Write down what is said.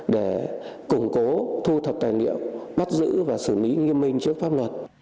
để củng cố thu thập tài liệu bắt giữ và xử lý nghiêm minh trước pháp luật